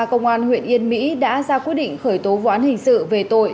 công an huyện yên mỹ đã ra quyết định khởi tố vụ án hình sự về tội